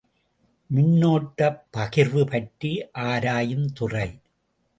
மின்னோட்டப் பகிர்வு பற்றி ஆராயுந்துறை.